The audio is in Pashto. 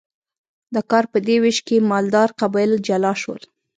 د کار په دې ویش کې مالدار قبایل جلا شول.